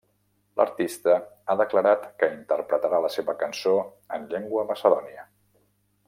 L'artista ha declarat que interpretarà la seva cançó en llengua macedònia.